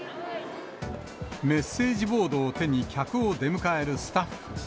メッセージボードを手に、客を出迎えるスタッフ。